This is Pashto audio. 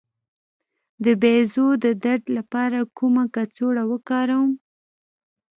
د بیضو د درد لپاره کومه کڅوړه وکاروم؟